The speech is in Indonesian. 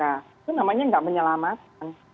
itu namanya tidak menyelamatkan